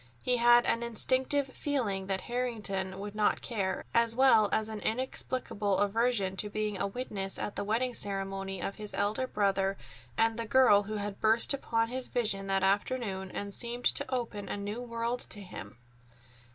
He had an instinctive feeling that Harrington would not care, as well as an inexplicable aversion to being a witness at the wedding ceremony of his elder brother and the girl who had burst upon his vision that afternoon and seemed to open a new world to him.